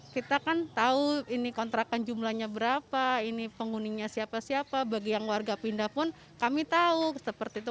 kita kan tahu ini kontrakan jumlahnya berapa ini penghuninya siapa siapa bagi yang warga pindah pun kami tahu seperti itu